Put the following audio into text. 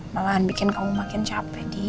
malahan bikin kamu makin capek